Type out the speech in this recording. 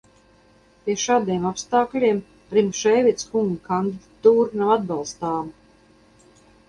Pie šādiem apstākļiem Rimšēviča kunga kandidatūra nav atbalstāma!